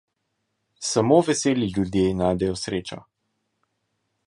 Samo veseli ljudje najdejo srečo.